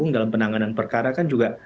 dalam penanganan perkara kan juga